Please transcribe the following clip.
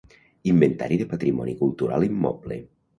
Inventari de Patrimoni Cultural Immoble.